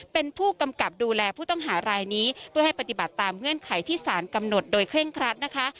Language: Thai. เป็นผู้กำกับดูแลผู้ต้องหารายนี้เพื่อให้ปฏิบัติตามเงื่อนไขที่สารกำหนดโดยเคร่งครัดนะคะ